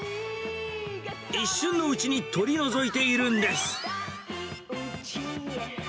一瞬のうちに取り除いているんです。